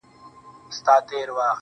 زۀ هولۍ له د سپرلي رنګونه يوسم